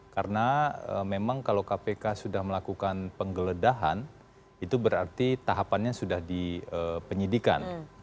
karena memang kalau kpk sudah melakukan penggeledahan itu berarti tahapannya sudah dipenyidikan